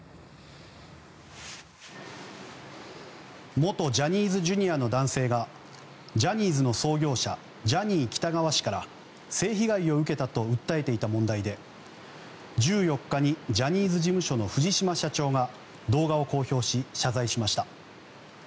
元ジャニーズＪｒ．の男性がジャニーズの創業者ジャニー喜多川氏から性被害を受けたと訴えていた問題で１４日にジャニーズ事務所の藤島社長が動画を公表し、謝罪しました。